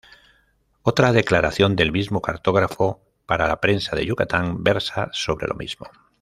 Otra declaración del mismo cartógrafo, para la prensa de Yucatán, versa sobre lo mismo.